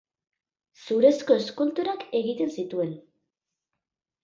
Zurezko eskulturak egiten zituen.